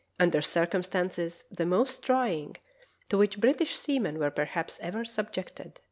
. under circumstances the most trying to which British seamen were perhaps ever subjected."